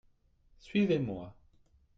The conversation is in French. Suivez-moi.